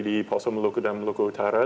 di poso meluku dan meluku utara